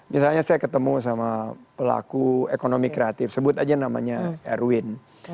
misalnya saya ketemu sama pelaku ekonomi kreatif sebut aja namanya erwin